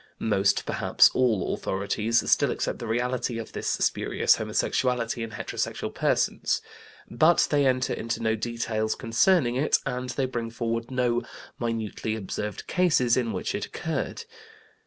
Most, perhaps all, authorities still accept the reality of this spurious homosexuality in heterosexual persons. But they enter into no details concerning it, and they bring forward no minutely observed cases in which it occurred.